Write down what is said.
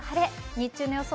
日中の予想